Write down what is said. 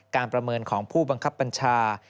ประเมินของผู้บังคับบัญชา